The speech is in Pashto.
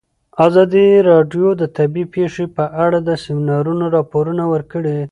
ازادي راډیو د طبیعي پېښې په اړه د سیمینارونو راپورونه ورکړي.